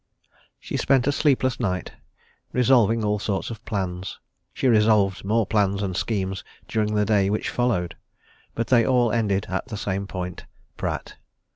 She spent a sleepless night, resolving all sorts of plans; she resolved more plans and schemes during the day which followed. But they all ended at the same point Pratt.